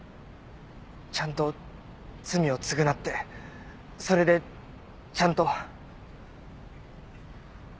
ちゃんと罪を償ってそれでちゃんと。